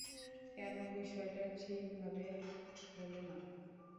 কেন বিষয়টা ঠিকভাবে হলো না?